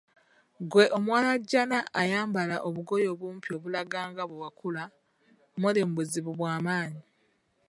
Ggwe omuwalajjana ayambala obugoye obumpi obulaga nga bwe wakula ,muli mu buzibu bw’amaanyi.